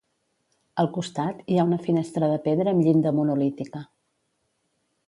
Al costat, hi ha una finestra de pedra amb llinda monolítica.